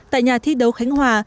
tại nhà thi đấu khánh hòa